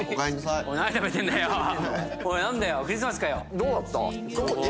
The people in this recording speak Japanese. どうだった？